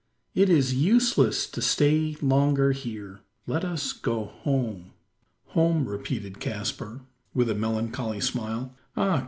It is useless to stay longer here. Let us go home!" "Home!" repeated Caspar, with a melancholy smile. "Ah!